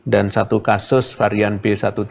dan satu kasus varian b satu tiga lima satu